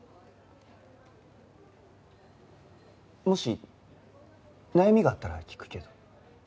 もし悩みがあったら聞くけど？